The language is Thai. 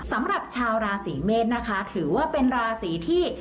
สำหรับชาวราศีเมษนะคะถือว่าเป็นราศีที่